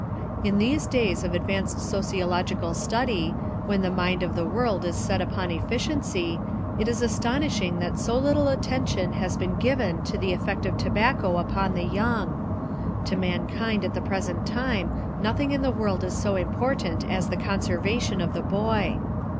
In these days of advanced sociological study, when the mind of the world is set upon efficiency, it is astonishing that so little attention has been given to the effect of tobacco upon the young. To mankind at the present time nothing in the world is so important as the conservation of the boy.